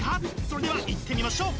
それではいってみましょう！